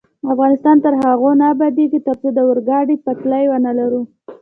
افغانستان تر هغو نه ابادیږي، ترڅو د اورګاډي پټلۍ ونلرو.